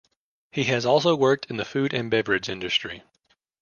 He has also worked in the food and beverage industry.